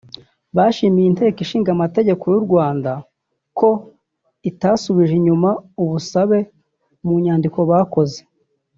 Bashimiye inteko ishinga amategeko y’u Rwanda ko itasubije inyuma ubusabe mu nyandiko bakoze